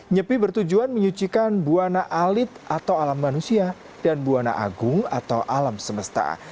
nyepi bertujuan menyucikan buana alit atau alam manusia dan buana agung atau alam semesta